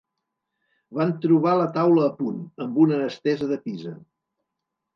Van trobar la taula a punt, amb una estesa de pisa